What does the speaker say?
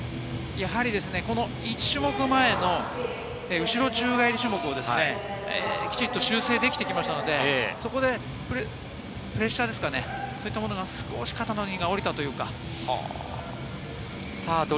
やはり１種目前の後ろ宙返り種目はきちんと修正してきましたので、そこでプレッシャーですかね、そういったものがおりたというか。